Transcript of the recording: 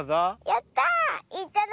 やった！